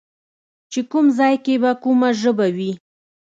چې کوم ځای کې به کومه ژبه وي